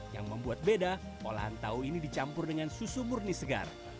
yang membuat beda olahan tahu ini dicampur dengan susu murni segar